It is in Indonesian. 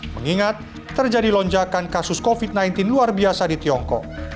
mengingat terjadi lonjakan kasus covid sembilan belas luar biasa di tiongkok